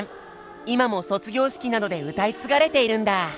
今も卒業式などで歌い継がれているんだ！